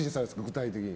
具体的に。